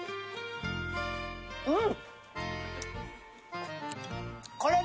うん！